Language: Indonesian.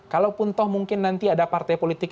kalaupun toh mungkin nanti ada partai politik